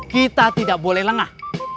kita tidak boleh lengah